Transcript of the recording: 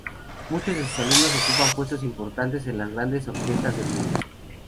Muchos de sus alumnos ocupan puestos importantes en las grandes orquestas del mundo.